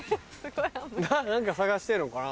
何か捜してんのかな。